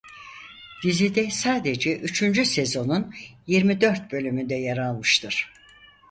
Dizide sadece üçüncü sezonun yirmi dört bölümünde yer almıştır.